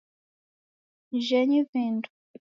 Jhenyi vindo!